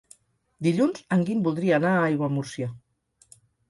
Dilluns en Guim voldria anar a Aiguamúrcia.